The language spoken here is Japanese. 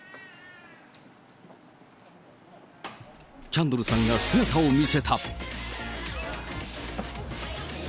キャンドルさんが姿を見せた。